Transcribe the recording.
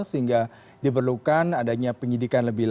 sehingga diperlukan adanya penyidikan lebih lanjut